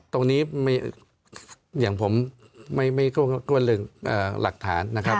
ตรงนี้อย่างผมไม่เกินเกิดลึกหลักฐานนะครับ